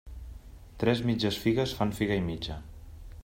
Tres mitges figues fan figa i mitja.